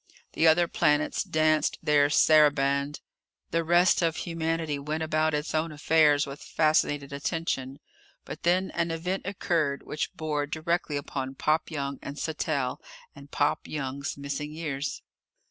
The other planets danced their saraband. The rest of humanity went about its own affairs with fascinated attention. But then an event occurred which bore directly upon Pop Young and Sattell and Pop Young's missing years.